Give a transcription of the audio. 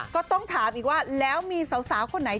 ก็ต้องถามอีกว่าแล้วมีสาวคนไหน